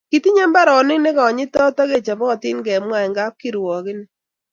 Kitinye baorinik nekonyitot akechopotin kemwa eng kapkirwokini